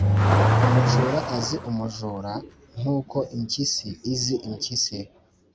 umujura azi umujura nkuko impyisi izi impyisi.